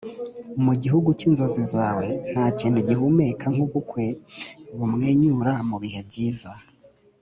mu gihugu cyinzozi zawe: ntakintu gihumeka nkubukwe bumwenyura mubihe byiza